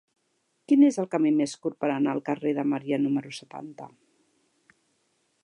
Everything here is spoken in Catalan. Quin és el camí més curt per anar al carrer de Maria número setanta?